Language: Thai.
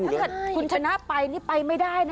ถ้าเกิดคุณชนะไปนี่ไปไม่ได้นะ